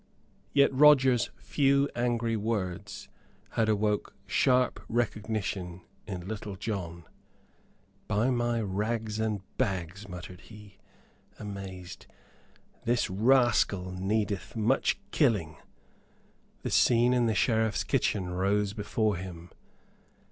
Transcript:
Yet Roger's few angry words had awoke sharp recognition in Little John. "By my rags and bags," muttered he, amazed, "this rascal needeth much killing!" The scene in the Sheriff's kitchen arose before him.